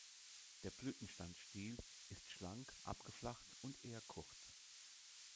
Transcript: Der Blütenstandsstiel ist schlank, abgeflacht und eher kurz.